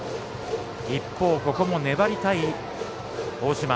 一方、ここも粘りたい大嶋。